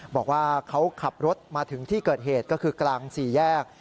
บอกว่าเขาขับรถมาถึงที่เกิดเหตุก็คือกลางสี่แยก